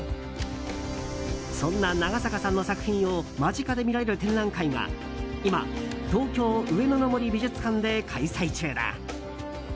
そんな長坂さんの作品を間近で見られる展覧会が今、東京・上野の森美術館で開催中だ。